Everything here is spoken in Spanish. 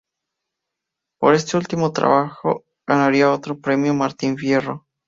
Por este último trabajo, ganaría otro Premio Martín Fierro.